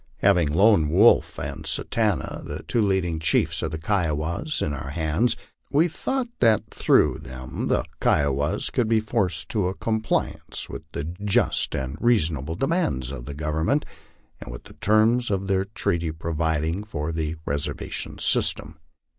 Having Lone Wolf and Satanta, the two leading chiefs of the Kiowas, in our hands, we thought that through them the Kiovvas could be forced to a compliance with the just and reason able demands of the Government, and with the terms of their treaty pro viding for the reservation system.